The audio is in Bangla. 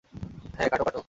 হ্যাঁ, কাটো কাটো।